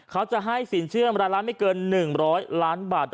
เขาจะให้สินเชื่อเงินมาร้านล้านไม่เกิน๑๐๐ล้านบาท